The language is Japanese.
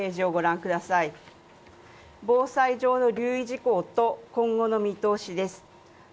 防災上の留意事項と今後の見通しです。